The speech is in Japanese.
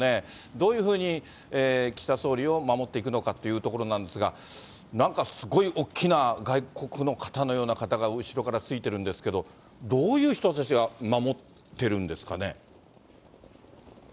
どういうふうに岸田総理を守っていくのかというところなんですが、なんかすごい大きな外国の方のような方が後ろからついてるんですけど、どういう人たちが守ってるんですかね。